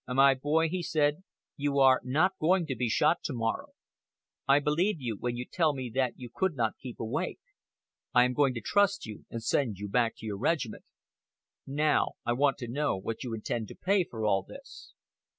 "My boy," he said, "you are not going to be shot to morrow. I believe you when you tell me that you could not keep awake. I am going to trust you, and send you back to your regiment. Now, I want to know what you intend to pay for all this?"